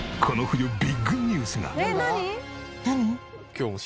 この冬ビッグニュースが！